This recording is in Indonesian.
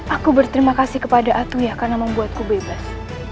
aku berterima kasih kepada aku ya karena membuatku bebas